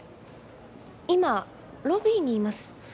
今ロビーにいます。